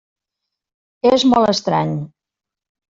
És molt estrany.